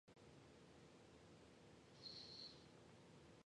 今日は流石に早く帰る。